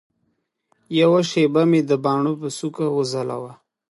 یوه شېبه مي د باڼو پر څوکه وځلوه